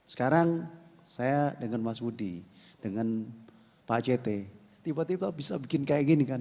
sekarang saya dengan mas budi dengan pak jt tiba tiba bisa bikin kayak gini kan